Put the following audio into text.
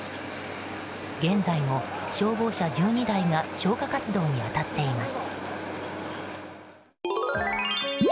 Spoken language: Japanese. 現在も消防車１２台が消火活動に当たっています。